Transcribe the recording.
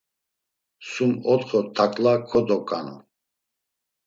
Sum otxo takla kodoǩanu.